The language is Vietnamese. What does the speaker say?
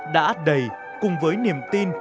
đã đầy cùng với niềm tin